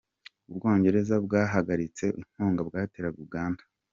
U Bwongereza bwahagaritse inkunga bwateraga Uganda